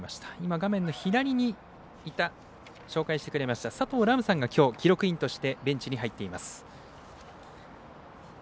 画面の左にいた紹介してくれました佐藤麗結さんがきょう、記録員としてベンチに入っています。